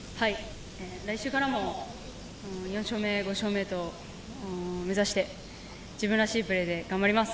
来週からも４勝目、５勝目と目指して、自分らしいプレーで頑張ります。